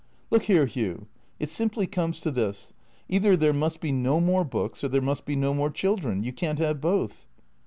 " Look here, Hugh. It simply comes to this. Either there must be no more books or there must be no more children. You can't have both."